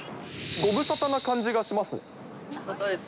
ご無沙汰な感じがします。